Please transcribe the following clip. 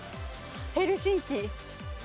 ヘルシンキ。